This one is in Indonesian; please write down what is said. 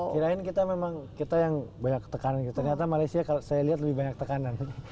kirain kita memang kita yang banyak tekanan gitu ternyata malaysia kalau saya lihat lebih banyak tekanan